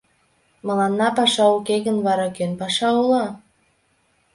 Мыланна паша уке гын, вара кӧн паша уло?!